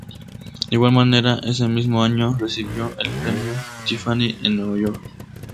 De igual manera ese mismo año, recibió el Premio Tiffany en Nueva York.